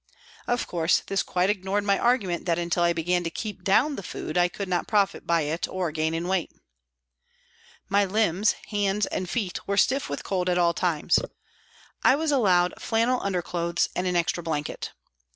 Of course, this quite ignored my argument that until I began to keep down the food I could not profit by it or gain in weight. My limbs, hands and feet, were stiff with cold at 282 PRISONS AND PRISONERS all times. 1 was allowed flannel underclothes and an extra blanket.